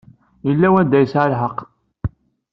Yella wanda yesɛa lḥeqq.